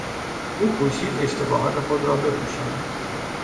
او کوشید اشتباهات خود را بپوشاند.